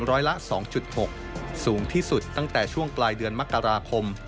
ร้อยละ๒๖สูงที่สุดตั้งแต่ช่วงปลายเดือนมกราคม